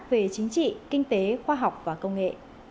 về chính trị kinh tế khoa học và công nghệ